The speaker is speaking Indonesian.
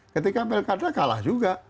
ketika belkada kalah juga